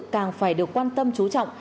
càng phải được quan tâm trú trọng